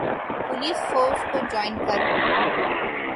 police force کو join کر